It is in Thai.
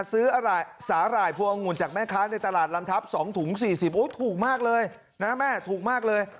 ซื้อสาหร่ายพวงองุ่นจากแม่ค้าในตลาดลำทัพ๒ถุง๔๐โอ้ถูกมากเลยนะแม่ถูกมากเลย